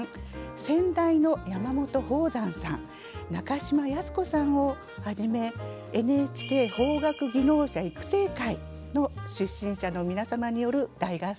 先代の山本邦山さん中島靖子さんをはじめＮＨＫ邦楽技能者育成会の出身者の皆様による大合奏です。